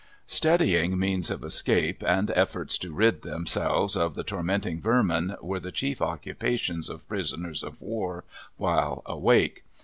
Studying means of escape, and efforts to rid themselves of the tormenting vermin, were the chief occupations of prisoners of war while awake.